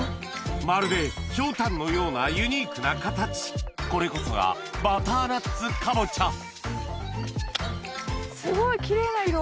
まるでひょうたんのようなユニークな形これこそがすごいキレイな色。